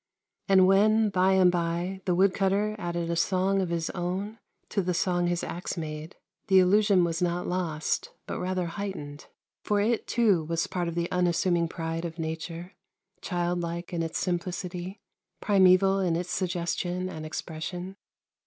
And when, by and by, the woodcutter added a song of his own to the song his axe made, the illusion was not lost, but rather heightened ; for it, too, was part of the unassuming pride of nature, childlike in its simplicity, primeval in its suggestion and expression.